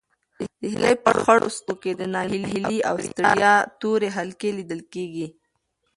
د هیلې په خړو سترګو کې د ناهیلۍ او ستړیا تورې حلقې لیدل کېدې.